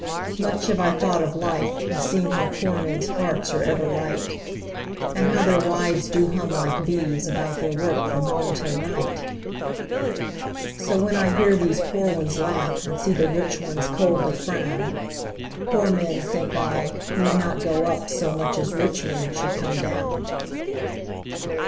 Much have I thought of life, and seen How poor men's hearts are ever light; And how their wives do hum like bees About their work from morn till night. So, when I hear these poor ones laugh, And see the rich ones coldly frown Poor men, think I, need not go up So much as rich men should come down.